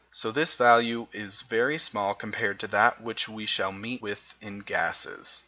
This value is very small compared to that which we shall meet with in gases.